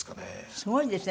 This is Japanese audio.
すごいですね